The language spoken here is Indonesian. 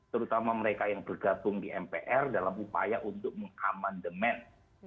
terutama mereka yang bergabung di mpr dalam upaya untuk mengamandemen